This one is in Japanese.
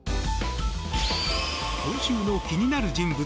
今週の気になる人物